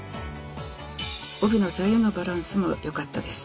帯の左右のバランスも良かったです。